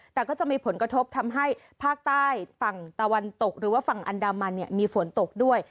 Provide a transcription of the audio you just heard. แต่ก็จะมีผลกระทบทำให้ภาคใต้ฝั่งตะวันตกหรือว่าฝั่งอันดามันมีฝนตกด้วย